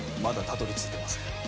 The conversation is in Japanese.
まだたどり着いてません。